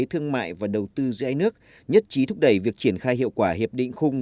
thương mại và đầu tư giữa hai nước nhất trí thúc đẩy việc triển khai hiệu quả hiệp định khung